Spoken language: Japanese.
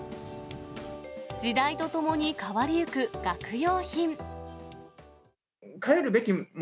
時代とともに変わりゆく学用